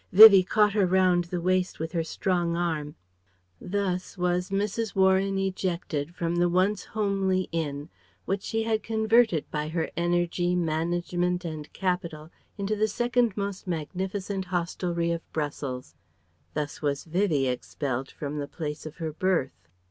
Vivie caught her round the waist with her strong arm.... Thus was Mrs. Warren ejected from the once homely inn which she had converted by her energy, management and capital into the second most magnificent hostelry of Brussels; thus was Vivie expelled from the place of her birth....